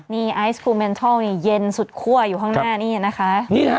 เนี่ยไอเซกูแมนทรอล์เนี่ย